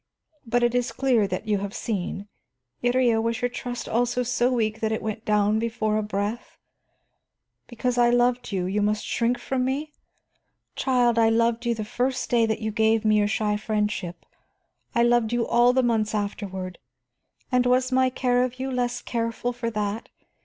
But it is clear that you have seen. Iría, was your trust also so weak that it went down before a breath? Because I loved you, must you shrink from me? Child, I loved you the first day that you gave me your shy friendship, I loved you all the months afterward, and was my care of you less careful for that?